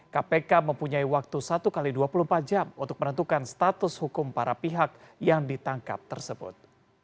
kpk mempunyai waktu satu x dua puluh empat jam untuk menentukan status hukum para pihak yang ditangkap tersebut